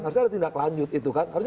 harusnya ada tindak lanjut itu kan